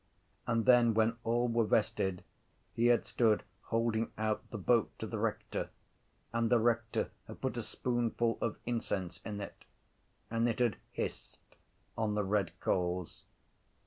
And then when all were vested he had stood holding out the boat to the rector and the rector had put a spoonful of incense in it and it had hissed on the red coals.